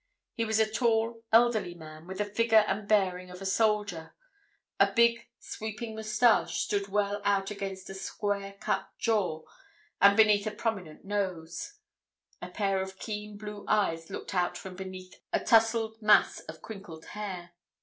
He was a tall, elderly man with a figure and bearing of a soldier; a big, sweeping moustache stood well out against a square cut jaw and beneath a prominent nose; a pair of keen blue eyes looked out from beneath a tousled mass of crinkled hair.